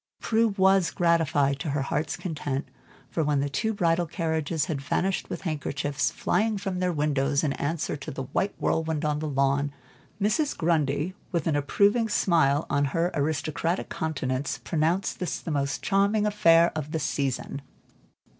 Prue was gratified to her heart's content, for, when the two bridal carriages had vanished with handkerchiefs flying from their windows, in answer to the white whirlwind on the lawn, Mrs. Grundy, with an approving smile on her aristocratic countenance, pronounced this the most charming affair of the season.